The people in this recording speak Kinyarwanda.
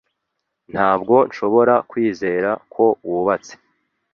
Ntabwo nshobora kwizera ko wubatse.